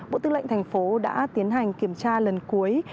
bộ tư lệnh thành phố đã tiến hành kiểm tra lần cuối